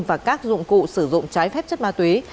và các dụng cụ sử dụng trái phép chất ma túy